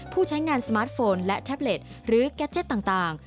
ใช้งานสมาร์ทโฟนและแท็บเล็ตหรือแก๊สต่าง